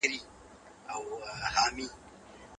د دين اغېزه په دې څېړنه کي جوته سوه.